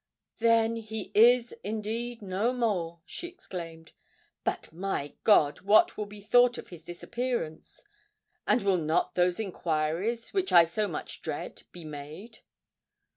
"Then he is indeed no more!" she exclaimed. "But, my God! what will be thought of his disappearance?—and will not those enquiries, which I so much dread, be made?"